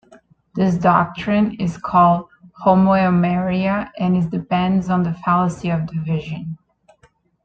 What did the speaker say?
This doctrine is called "homoeomeria", and it depends on the fallacy of division.